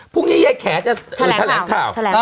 พรุ่งนี้แขนแถลงข่าว